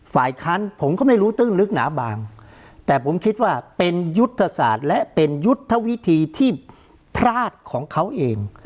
ฝ่ายค้านผมก็ไม่รู้ตื้นลึกหนาบางแต่ผมคิดว่าเป็นยุทธศาสตร์และเป็นยุทธวิธีที่พลาดของเขาเอง